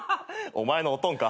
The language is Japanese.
お前のおとんか。